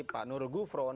pak nurul gufron